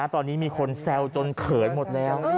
ตอนนี้มีคนแซวจนเขยหมดแล้ว